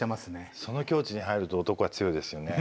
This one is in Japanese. その境地に入ると男は強いですよね。